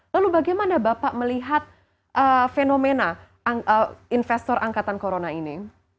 lalu bagaimana bapak melihat fenomena investor angkatan corona ini